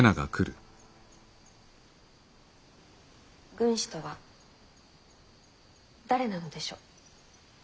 軍師とは誰なのでしょう。